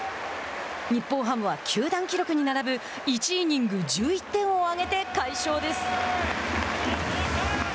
日本ハムは、球団記録に並ぶ１イニング１１点を上げて快勝です。